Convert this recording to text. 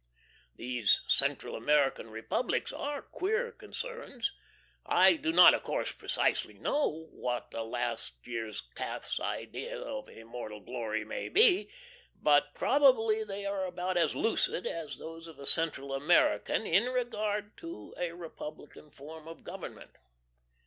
These Central American Republics are queer concerns. I do not of course precisely know what a last year's calf's ideas of immortal glory may be, but probably they are about as lucid as those of a Central American in regard to a republican form of government.